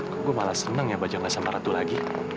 kok gue malah seneng ya bajang gak sama ratu lagi